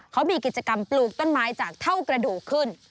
เขามีกิจกรรมปลูกต้นไม้จากเท่ากระดูกขึ้น